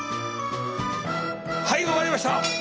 はい終わりました。